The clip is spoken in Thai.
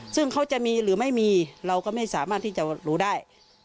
ซึ่งเขาจะมีหรือไม่มีเราก็ไม่สามารถที่จะรู้ได้